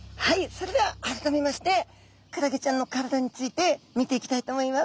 それでは改めましてクラゲちゃんの体について見ていきたいと思います。